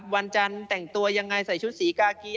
วันจันทร์แต่งตัวยังไงใส่ชุดสีกากี